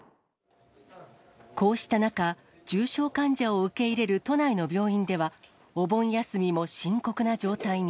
こうした中、重症患者を受け入れる都内の病院では、お盆休みも深刻な状態に。